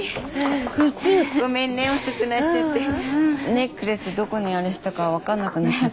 ネックレスどこにあれしたか分かんなくなっちゃって。